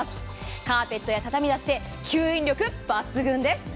カーペットや畳だって吸引力抜群です。